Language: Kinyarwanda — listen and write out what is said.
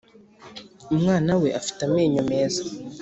Umwana we afite amenyo meza